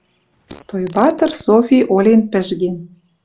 Тойбатр Софи олен пӹжген.